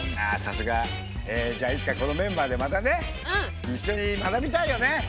あさすが。えじゃあいつかこのメンバーでまたね一緒に学びたいよね。